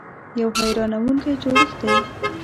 یو حیرانونکی جوړښت دی .